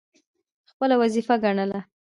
خپله وظیفه ګڼله.